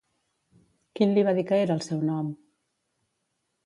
Quin li va dir que era el seu nom?